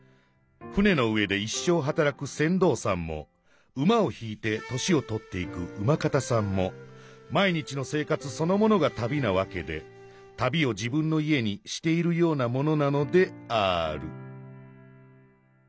舟の上で一生はたらく船頭さんも馬を引いて年をとっていく馬方さんも毎日の生活そのものが旅なわけで旅を自分の家にしているようなものなのである」。